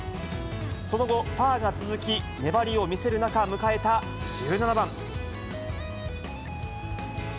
その後、パーが続き、粘りを見せる中、迎えた１７番。